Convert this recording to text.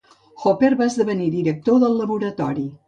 Hopper va esdevenir director del laboratori.